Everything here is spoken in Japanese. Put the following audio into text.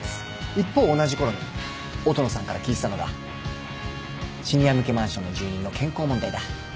一方同じころに音野さんから聞いてたのがシニア向けマンションの住人の健康問題だ。